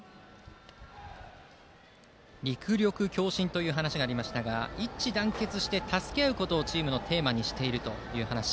「戮力協心」という話がありましたが一致団結して助け合うことをチームのテーマにしているという話。